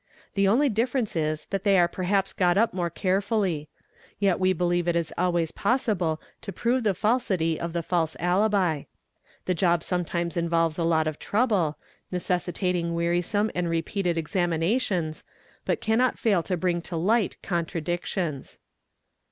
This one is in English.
The only difference is that they are perhaps got up more carefully ; yet we believe it is always possible to prove the falsity of a false alibi; the job sometimes involves a lot of trouble, necessitating wearisome and repeated examinations, but cannot fail to bring to light contradictions.